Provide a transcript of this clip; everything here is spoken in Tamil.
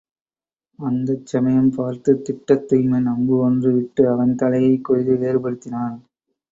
அந்தச் சமயம் பார்த்துத் திட்டத்துய்மன் அம்பு ஒன்று விட்டு அவன் தலையைக் கொய்து வேறுபடுத்தினான்.